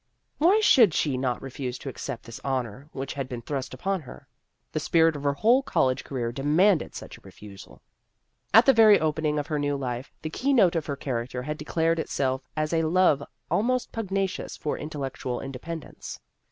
Why should she not refuse to accept this " honor " which had been thrust upon her? The spirit of her whole college career demanded such a refusal. At the very opening of her new life, the key note of her character had declared itself as a love almost pugnacious for in tellectual independence.